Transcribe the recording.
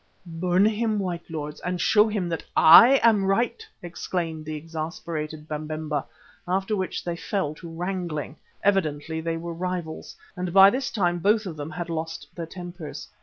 "Burn him, white lords, and show him that I am right," exclaimed the exasperated Babemba, after which they fell to wrangling. Evidently they were rivals, and by this time both of them had lost their tempers.